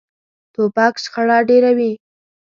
توپک شخړه ډېروي.